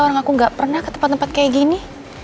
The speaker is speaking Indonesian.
orang aku gak pernah ke tempat tempat kayak gini